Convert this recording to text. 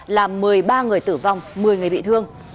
làm một mươi ba người tử vong một mươi người bị thương